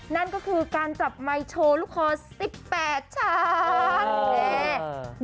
นั่นก็คือการจับไมค์โชว์ลูกคอ๑๘ชั้น